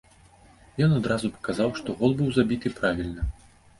Ён адразу паказаў, што гол быў забіты правільна.